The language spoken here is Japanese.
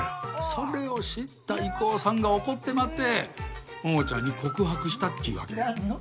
それを知った郁夫さんが怒ってまって桃ちゃんに告白したっちゅうわけよ。